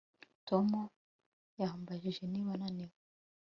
Tom yambajije niba naniwe